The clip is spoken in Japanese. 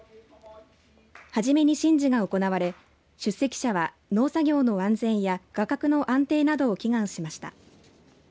はじめに神事が行われ出席者は、農作業の安全や価格の安定などを祈願しました。